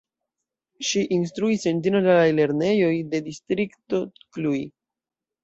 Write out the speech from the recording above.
Ŝi instruis en ĝeneralaj lernejoj de Distrikto Cluj.